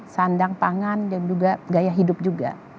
sandang pangan dan juga gaya hidup juga